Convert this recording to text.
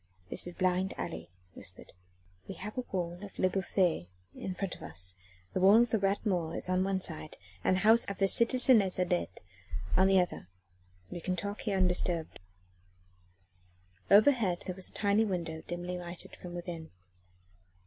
"This is a blind alley," he whispered. "We have the wall of Le Bouffay in front of us: the wall of the Rat Mort is on one side and the house of the citizeness Adet on the other. We can talk here undisturbed." Overhead there was a tiny window dimly lighted from within.